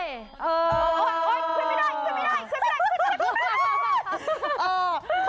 เออ